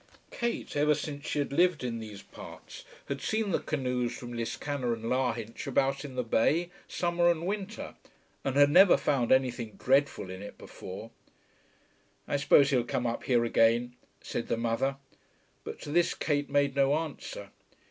Kate ever since she had lived in these parts had seen the canoes from Liscannor and Lahinch about in the bay, summer and winter, and had never found anything dreadful in it before. "I suppose he'll come up here again," said the mother; but to this Kate made no answer.